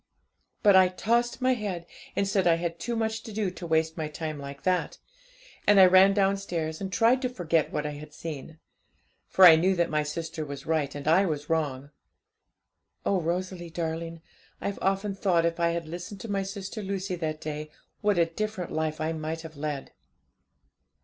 But I tossed my head, and said I had too much to do to waste my time like that; and I ran downstairs, and tried to forget what I had seen; for I knew that my sister was right and I was wrong. Oh, Rosalie darling, I've often thought if I had listened to my sister Lucy that day, what a different life I might have led!